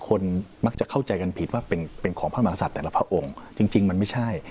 คนมักจะเข้าใจกันผิดว่าเป็นเป็นของพระมหาศัตว์แต่ละพระองค์จริงจริงมันไม่ใช่